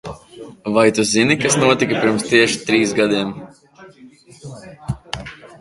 Vai tu zini, kas notika pirms tieši trīs gadiem?